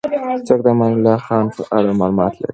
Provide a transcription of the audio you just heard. څوک د امان الله خان په اړه معلومات لري؟